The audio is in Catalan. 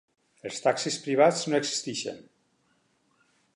Els taxis privats no existeixen.